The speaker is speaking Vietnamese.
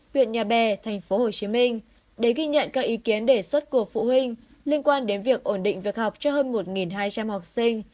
huyện nhà bè tp hcm để ghi nhận các ý kiến đề xuất của phụ huynh liên quan đến việc ổn định việc học cho hơn một hai trăm linh học sinh